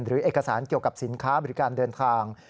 หรือเอกสารเกี่ยวกับสินค้าบริการเดินทาง